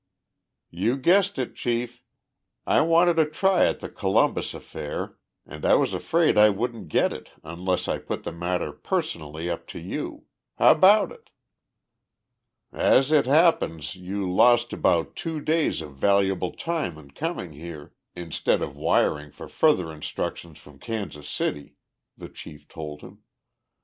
"You guessed it, Chief. I wanted a try at the Columbus affair and I was afraid I wouldn't get it unless I put the matter personally up to you. How 'bout it?" "As it happens, you lost about two days of valuable time in coming here, instead of wiring for further instructions from Kansas City," the chief told him.